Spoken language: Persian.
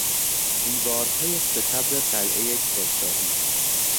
دیوارهای ستبر قعلهی کرشاهی